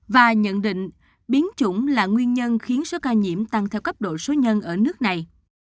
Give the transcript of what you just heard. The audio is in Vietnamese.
và nhận định biến chủng là nguyên nhân khiến số ca nhiễm tăng theo cấp độ số nhân ở nước này